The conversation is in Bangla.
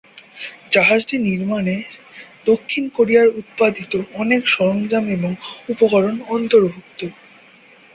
জাহাজটি নির্মানের দক্ষিণ কোরিয়ায় উৎপাদিত অনেক সরঞ্জাম এবং উপকরণ অন্তর্ভুক্ত।